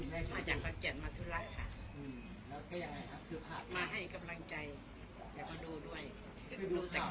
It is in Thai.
มาจากบัตรแจนบัตรธุรกิจค่ะ